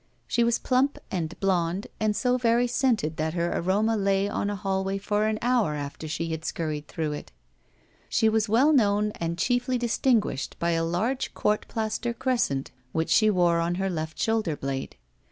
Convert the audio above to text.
She was plump and blond, and so very scented that her aroma lay on a hallway for an hour after she had scurried through it. She was well known and chiefly distinguished by a large court plaster crescent which she wore on her left shoulder blade.